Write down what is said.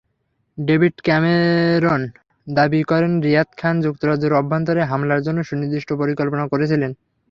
David Cameron দাবি করেন, রিয়াদ খান যুক্তরাজ্যের অভ্যন্তরে হামলার জন্য সুনির্দিষ্ট পরিকল্পনা করেছিলেন।